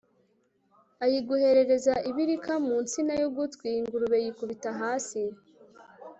ayiguherereza ibirika mu nsina y'ugutwi, ingurube yikubita hasi